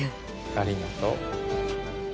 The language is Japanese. ありがとう。